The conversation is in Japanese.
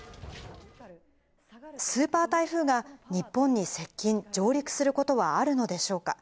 スーパー台風が日本に接近、上陸することはあるのでしょうか。